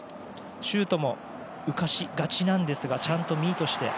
シュートも浮かしがちなんですがちゃんとミートして。